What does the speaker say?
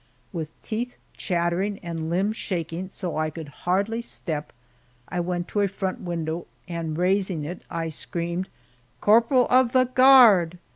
With teeth chattering and limbs shaking so I could hardly step, I went to a front window, and raising it I screamed, "Corporal of the guard!"